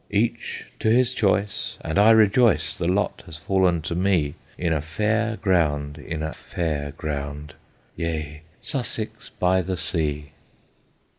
Each to his choice, and I rejoice The lot has fallen to me In a fair ground in a fair ground Yea, Sussex by the sea!